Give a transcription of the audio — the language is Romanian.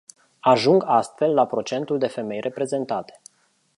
Ajung astfel la procentul de femei reprezentate.